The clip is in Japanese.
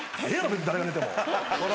別に誰が寝ても。